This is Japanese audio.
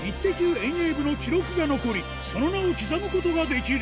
遠泳部の記録が残り、その名を刻むことができる。